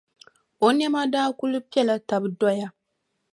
O nɛma daa kuli pela taba doya.